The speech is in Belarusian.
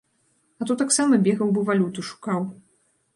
А то таксама бегаў бы валюту шукаў.